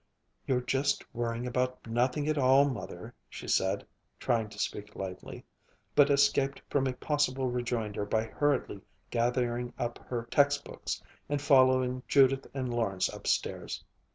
"You're just worrying about nothing at all, Mother," she said, trying to speak lightly, but escaped from a possible rejoinder by hurriedly gathering up her text books and following Judith and Lawrence upstairs.